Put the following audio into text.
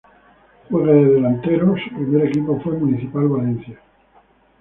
Juega de delantero, su primer equipo fue Municipal Valencia.